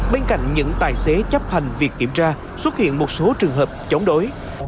bên cạnh những tài xế chấp hành việc kiểm tra xuất hiện một số trường hợp chống đối